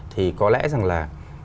thì có lẽ rằng là